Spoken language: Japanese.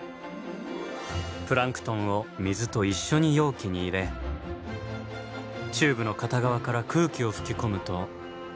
プランクトンを水と一緒に容器に入れチューブの片側から空気を吹き込むと。